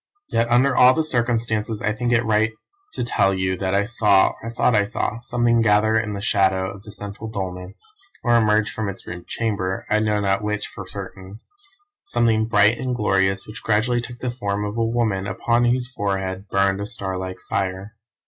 Yet under all the circumstances I think it right to tell you that I saw, or thought I saw, something gather in the shadow of the central dolmen, or emerge from its rude chamber I know not which for certain something bright and glorious which gradually took the form of a woman upon whose forehead burned a star like fire.